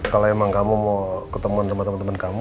kalo emang kamu mau ketemu temen temen kamu